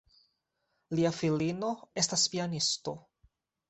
Lia filino estas pianisto.